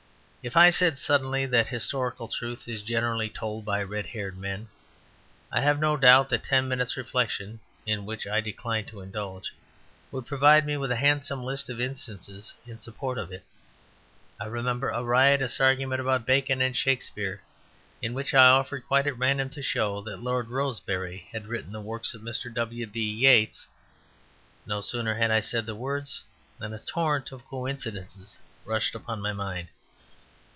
If I said suddenly that historical truth is generally told by red haired men, I have no doubt that ten minutes' reflection (in which I decline to indulge) would provide me with a handsome list of instances in support of it. I remember a riotous argument about Bacon and Shakespeare in which I offered quite at random to show that Lord Rosebery had written the works of Mr. W. B. Yeats. No sooner had I said the words than a torrent of coincidences rushed upon my mind.